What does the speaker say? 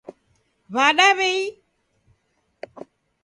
W'ada w'eii?